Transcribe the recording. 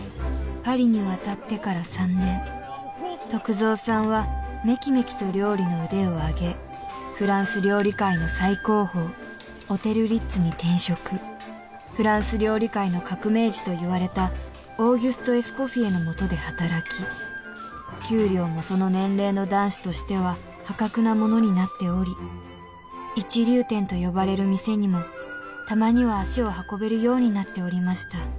パリに渡ってから３年篤蔵さんはメキメキと料理の腕を上げフランス料理界の最高峰オテル・リッツに転職フランス料理界の革命児といわれたオーギュスト・エスコフィエのもとで働き給料もその年齢の男子としては破格なものになっており一流店と呼ばれる店にもたまには足を運べるようになっておりました